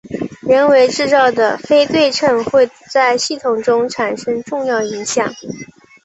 人为制造的非对称会在系统中产生重要影响。